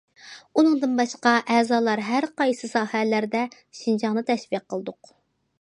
ئۇنىڭدىن باشقا ئەزالار ھەر قايسى ساھەلەردە شىنجاڭنى تەشۋىق قىلدۇق.